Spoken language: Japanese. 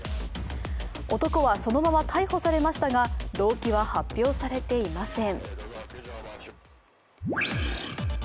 男はそのまま逮捕されましたが動機は発表されていません。